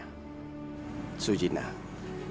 sujina jangan terlalu memperhatikan dia